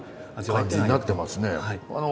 感じになってますね。